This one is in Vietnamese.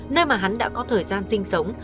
nơi mà hắn đã có thời gian sinh sống